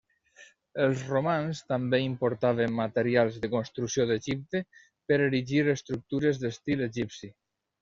Els romans també importaven materials de construcció d'Egipte per erigir estructures d'estil egipci.